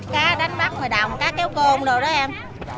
cá đánh bắt ngoài đồng cá kéo côn đồ đó em